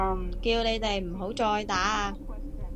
叫你哋唔好再打啊！